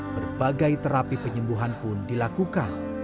berbagai terapi penyembuhan pun dilakukan